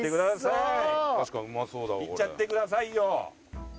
いっちゃってくださいよ。